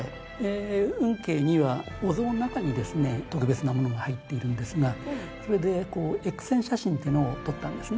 運慶にはお像の中にですね特別なものが入っているんですがそれでＸ線写真っていうのを撮ったんですね。